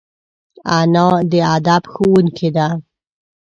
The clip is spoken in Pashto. انا د ادب ښوونکې ده